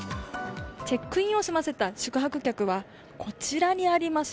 チェックインを済ませた宿泊客はこちらにあります